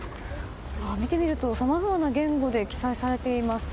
見てみると、さまざまな言語で記載されています。